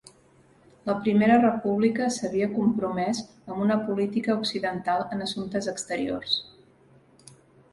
La Primera República s'havia compromès amb una política occidental en assumptes exteriors.